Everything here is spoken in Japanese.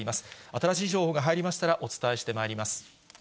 新しい情報が入りましたら、お伝えしてまいります。